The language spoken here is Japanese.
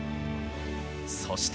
そして。